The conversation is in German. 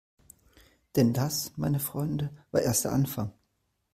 Denn das, meine Freunde, war erst der Anfang!